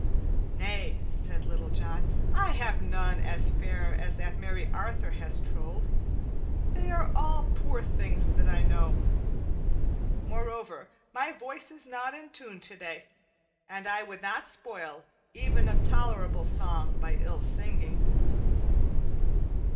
"Nay," said Little John, "I have none as fair as that merry Arthur has trolled. They are all poor things that I know. Moreover, my voice is not in tune today, and I would not spoil even a tolerable song by ill singing."